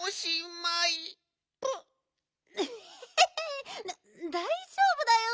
エヘヘだだいじょうぶだよ。